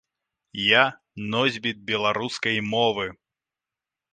Я носьбіт беларускай мовы.